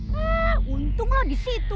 hah untung lo disitu